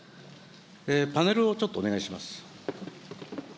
パネルをちょっとお願いします。